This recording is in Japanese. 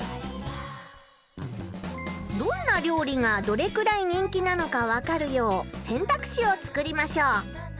どんな料理がどれくらい人気なのか分かるよう選択肢を作りましょう。